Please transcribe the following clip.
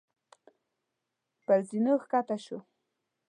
پر زينو کښته شو.